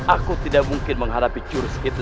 aku tidak mungkin menghadapi jurus itu